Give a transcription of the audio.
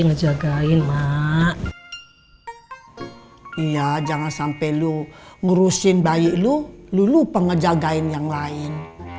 ngejagain mak iya jangan sampai lu ngurusin bayi lu lupa ngejagain yang lain